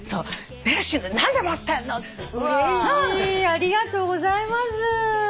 ありがとうございます。